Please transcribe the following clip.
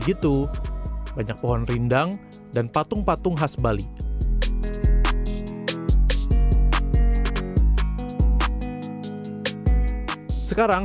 gitu banyak pohon rindang dan patung patung khas bali sekarang